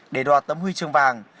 để đoạt tấm huy chương vàng